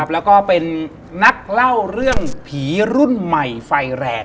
แล้วก็เป็นนักเล่าเรื่องผีรุ่นใหม่ไฟแรง